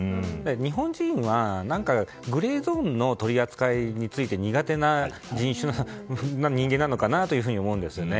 日本人はグレーゾーンの取り扱いについて苦手な人種の人間なのかなと思うんですよね。